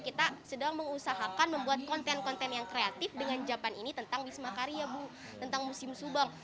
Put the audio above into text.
kita sedang mengusahakan membuat konten konten yang kreatif dengan japan ini tentang wisma karya bu tentang museum subang